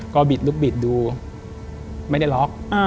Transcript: ก็บิดลูกบิดดูไม่ได้ล็อก